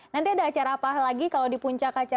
nanti ada acara apa lagi kalau di puncak acara